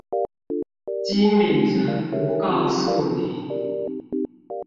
經理人不告訴你